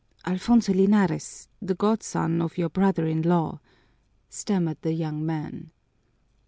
"Alfonso Linares, the godson of your brother in law," stammered the young man.